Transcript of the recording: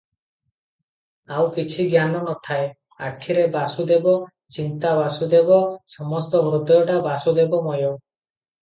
ଆଉ କିଛି ଜ୍ଞାନ ନଥାଏ – ଆଖିରେ ବାସୁଦେବ, ଚିନ୍ତା ବାସୁଦେବ, ସମସ୍ତ ହୃଦୟଟା ବାସୁଦେବମୟ ।